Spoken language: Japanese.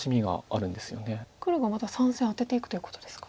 黒がまた３線アテていくということですか。